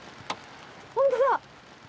本当だ。